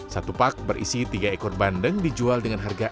satu pak berisi tiga ekor bandeng dijual dengan harga rp enam puluh